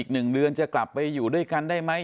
หนึ่งเรือนจะกลับไปอยู่ด้วยกันได้มั้ย